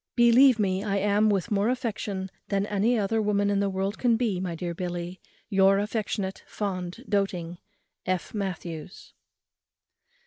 "Believe me I am, with more affection than any other woman in the world can be, my dear Billy, Your affectionate, fond, doating "F. MATTHEWS."